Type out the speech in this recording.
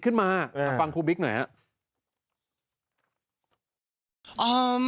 ขึ้นมาฟังคุณบิฟิดหน่อยอะ